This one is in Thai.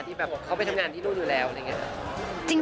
แบบเขาไปทำงานที่นู่นอยู่แล้วอะไรอย่างนี้